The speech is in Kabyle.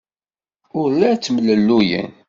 Ur la ttemlelluyen.